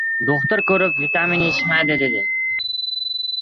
Do‘xtir ko‘rib, vitamin yetishmaydi, dedi.